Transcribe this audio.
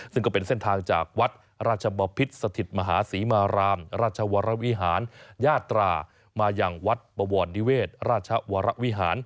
ซึ่งก็เป็นเส้นทางจากวัดราชบพิษสถิตมหาศรีมารามราชวรวิหารญาตรามาอย่างวัดบวรนิเวศราชวรวิหาร